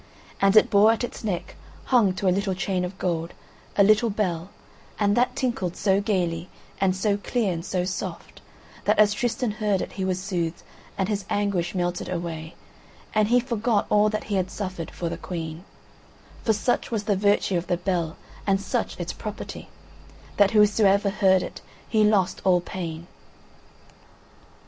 And it bore at its neck, hung to a little chain of gold, a little bell; and that tinkled so gaily, and so clear and so soft, that as Tristan heard it, he was soothed, and his anguish melted away, and he forgot all that he had suffered for the Queen; for such was the virtue of the bell and such its property: that whosoever heard it, he lost all pain.